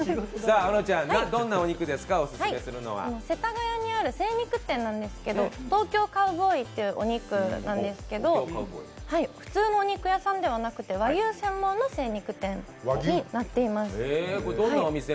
世田谷にある精肉店なんですけどＴＯＫＹＯＣＯＷＢＯＹっていうお肉なんですけど普通のお肉屋さんではなくて和牛専門の精肉店になっています。